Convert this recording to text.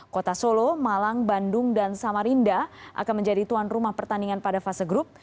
kota solo malang bandung dan samarinda akan menjadi tuan rumah pertandingan pada fase grup